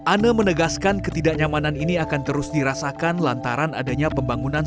ane menegaskan ketidaknyamanan ini akan terus dirasakan lantaran adanya pembangunan